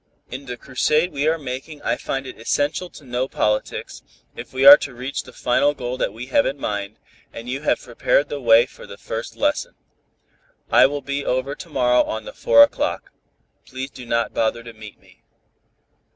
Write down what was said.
In the crusade we are making I find it essential to know politics, if we are to reach the final goal that we have in mind, and you have prepared the way for the first lesson. I will be over to morrow on the four o'clock. Please do not bother to meet me.